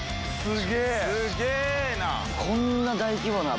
すげえな。